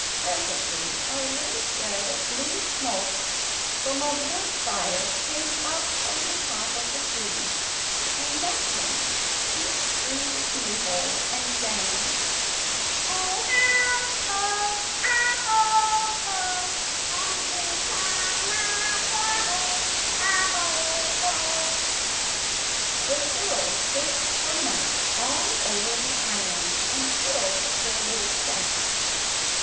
Presently a little thread of blue SMOKE from a wood fire came up from the top of the tree, and Nutkin peeped through the key hole and sang "A house full, a hole full! And you cannot gather a bowl full!" The squirrels searched for nuts all over the island and filled their little sacks.